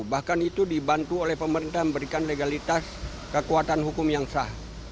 bahkan itu dibantu oleh pemerintah memberikan legalitas kekuatan hukum yang sah